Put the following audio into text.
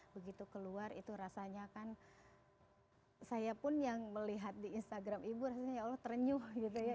begitu keluar itu rasanya kan saya pun yang melihat di instagram ibu rasanya ya allah terenyuh gitu ya